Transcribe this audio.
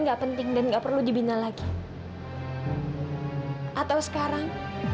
jangan jangan terjadi sesuatu sama kamila res